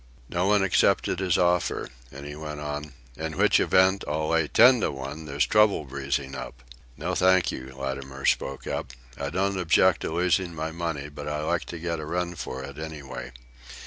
No one accepted his offer, and he went on: "In which event, I'll lay ten to one there's trouble breezing up." "No, thank you," Latimer spoke up. "I don't object to losing my money, but I like to get a run for it anyway.